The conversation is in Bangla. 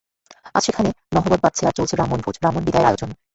আজ সেখানে নহবত বাজছে, আর চলছে ব্রাহ্মণভোজন, ব্রাহ্মণবিদায়ের আয়োজন।